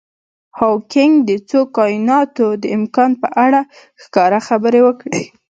هاوکېنګ د څو کایناتونو د امکان په اړه ښکاره خبرې وکړي.